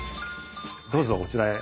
どうぞこちらへ。